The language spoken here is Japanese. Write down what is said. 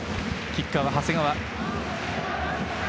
キッカーは長谷川。